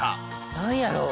何やろう？